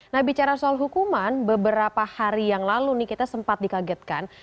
nah bicara soal hukuman beberapa hari yang lalu nih kita sempat dikagetkan